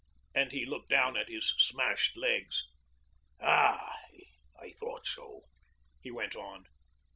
And he looked down at his smashed legs. 'Ah, I thought so,' he went on.